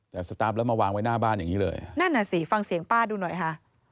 แต่สตาร์ฟแล้วมาวางไว้หน้าบ้านอย่างนี้เลยนั่นอ่ะสิฟังเสียงป้าดูหน่อยค่ะ